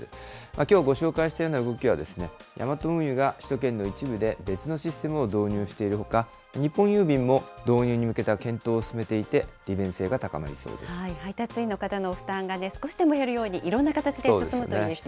きょうご紹介したような動きは、ヤマト運輸が首都圏の一部で別のシステムを導入しているほか、日本郵便も導入に向けた検討を進め配達員の方の負担が少しでも減るように、いろんな形で進むといいですね。